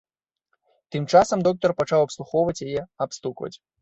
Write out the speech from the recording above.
Тым часам доктар пачаў абслухваць яе, абстукваць.